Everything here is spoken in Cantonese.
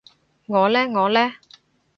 我呢我呢？